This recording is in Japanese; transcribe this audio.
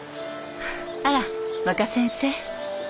あら若先生。